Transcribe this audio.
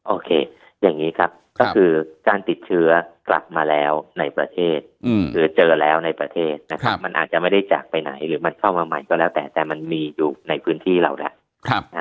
โอเคอย่างนี้ครับก็คือการติดเชื้อกลับมาแล้วในประเทศคือเจอแล้วในประเทศนะครับมันอาจจะไม่ได้จากไปไหนหรือมันเข้ามาใหม่ก็แล้วแต่แต่มันมีอยู่ในพื้นที่เราแล้ว